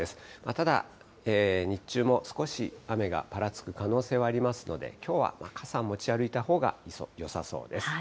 ただ、日中も少し雨がぱらつく可能性はありますので、きょうは傘持ち歩いたほうがよさそうです。